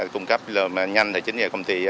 cung cấp nhanh thì chính là công ty